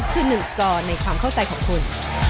คือหนึ่งสกอร์ในความเข้าใจของคุณ